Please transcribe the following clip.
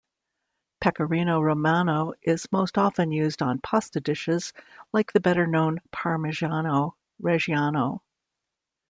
Pecorino Romano is most often used on pasta dishes, like the better-known Parmigiano Reggiano.